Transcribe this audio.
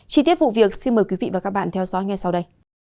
chi tiết vụ việc xin mời quý vị và các bạn theo dõi ngay sau đây